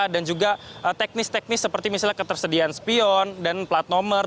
dan juga teknis teknis seperti misalnya ketersediaan spion dan plat nomor